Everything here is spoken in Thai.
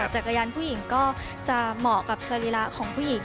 จักรยานผู้หญิงก็จะเหมาะกับสรีระของผู้หญิง